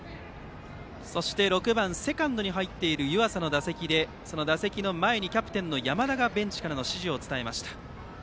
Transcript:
６番セカンドに入っている湯浅の打席でその打席の前にキャプテンの山田がベンチからの指示を伝えました。